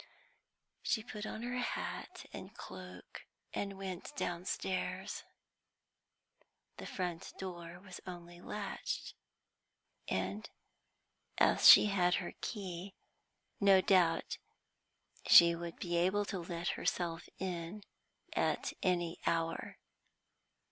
She put on her hat and cloak, and went downstairs. The front door was only latched, and, as she had her key, no doubt she would be able to let herself in at any hour.